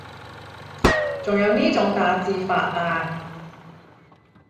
仲有呢種打字法啊